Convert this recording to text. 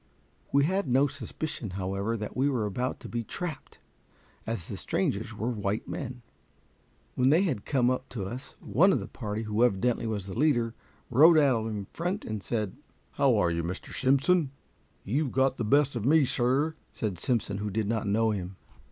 We had no suspicion, however, that we were about to be trapped, as the strangers were white men. When they had come up to us, one of the party, who evidently was the leader, rode out in front, and said, "How are you, Mr. Simpson?" "You've got the best of me, sir," said Simpson, who did not know him.